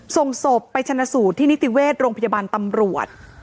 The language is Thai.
ส่งศพไปชนะสูตรที่นิติเวชโรงพยาบาลตำรวจ